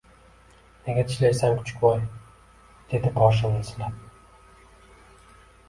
Nega tishlaysan, kuchukvoy? — dedi boshimni silab.